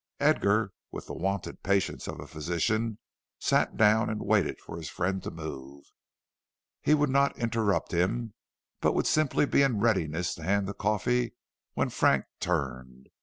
Edgar, with the wonted patience of a physician, sat down and waited for his friend to move. He would not interrupt him, but would simply be in readiness to hand the coffee when Frank turned.